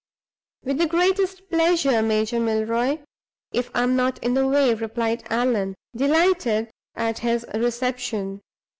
"With the greatest pleasure, Major Milroy, if I am not in the way," replied Allan, delighted at his reception.